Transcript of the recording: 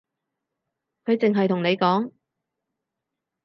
佢淨係同你講